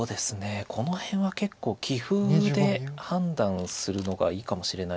この辺は結構棋風で判断するのがいいかもしれないです。